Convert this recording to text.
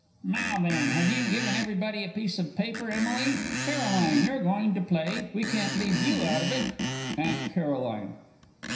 Now, then, have you given everybody a piece of paper, Emily? Caroline, you're going to play we can't leave you out of it. AUNT CAROLINE.